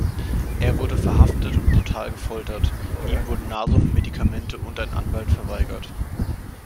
Er wurde verhaftet und brutal gefoltert, ihm wurden Nahrung, Medikamente und ein Anwalt verweigert.